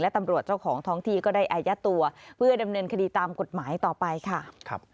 ตำรวจเจ้าของท้องที่ก็ได้อายัดตัวเพื่อดำเนินคดีตามกฎหมายต่อไปค่ะ